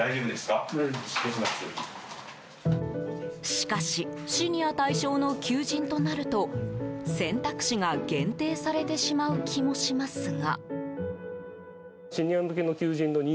しかしシニア対象の求人となると選択肢が限定されてしまう気もしますが。